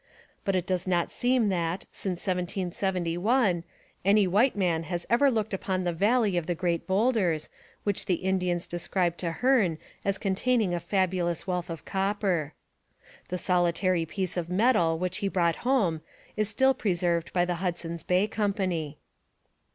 But it does not seem that, since 1771, any white man has ever looked upon the valley of the great boulders which the Indians described to Hearne as containing a fabulous wealth of copper. The solitary piece of metal which he brought home is still preserved by the Hudson's Bay Company.